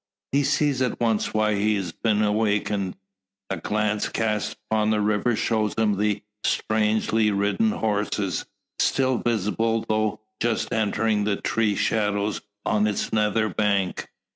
He sees at once why he has been awakened. A glance cast upon the river shows him the strangely ridden horses; still visible though just entering the tree shadow on its nether bank.